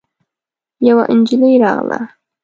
يوه نجلۍ راغله.